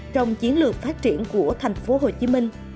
trong chiến lược phát triển của thành phố hồ chí minh